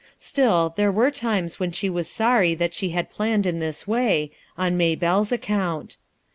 Still, there were times when she was sorry that she had planned in thi3 way, on May belle's account.